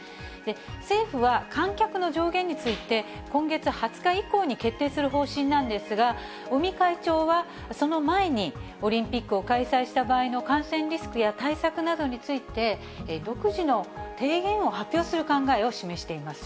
政府は観客の上限について、今月２０日以降に決定する方針なんですが、尾身会長は、その前にオリンピックを開催した場合の感染リスクや対策などについて、独自の提言を発表する考えを示しています。